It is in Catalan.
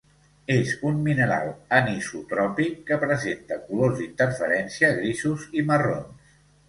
És un mineral anisotròpic que presenta colors d'interferència grisos i marrons.